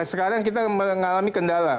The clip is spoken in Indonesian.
sekarang kita mengalami kendala